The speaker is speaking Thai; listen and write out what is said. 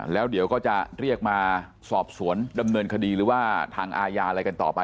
แล้วเดี๋ยวก็จะเรียกมาสอบสวนดำเนินคดีหรือว่าทางอาญาอะไรกันต่อไป